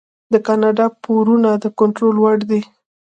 د کاناډا پورونه د کنټرول وړ دي.